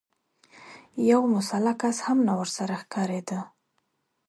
يو مسلح کس هم نه ورسره ښکارېده.